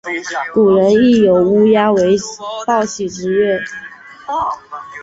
古人亦有以乌鸦为报喜之说。